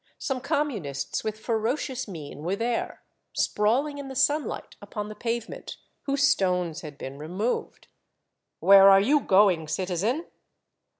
Some Communists with ferocious mien were there, sprawling in the sunlight upon the pavement, whose stones had been removed. "Where are you going, citizen?